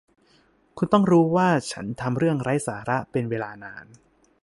คุณต้องรู้ว่าฉันทำเรื่องไร้สาระเป็นเวลานาน